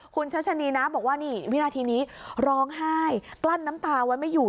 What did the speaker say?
คุณชัชนีนะบอกว่านี่วินาทีนี้ร้องไห้กลั้นน้ำตาไว้ไม่อยู่